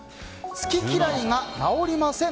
好き嫌いが直りません。